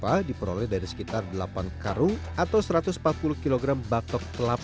sampah diperoleh dari sekitar delapan karung atau satu ratus empat puluh kg batok kelapa